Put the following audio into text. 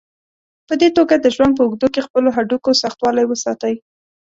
په دې توګه د ژوند په اوږدو کې خپلو هډوکو سختوالی وساتئ.